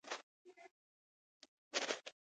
افغان خپل دوست ته وفادار دی.